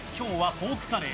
ポークカレー。